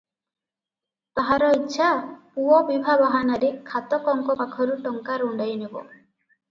ତାହାର ଇଚ୍ଛା, ପୁଅ ବିଭା ବାହାନାରେ ଖାତକଙ୍କ ପାଖରୁ ଟଙ୍କା ରୁଣ୍ଡାଇ ନେବ ।